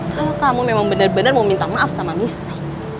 kalau kamu memang benar benar mau minta maaf sama misal